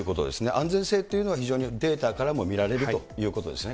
安全性というのは非常にデータからも見られるということですね。